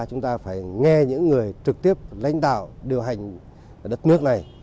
chúng ta phải nghe những người trực tiếp lãnh đạo điều hành ở đất nước này